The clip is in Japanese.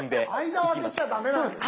間を空けちゃダメなんですね。